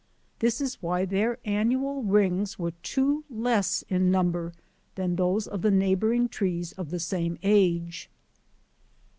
This is why their annual rings were two less in number than those of the neighbouring trees of the same age.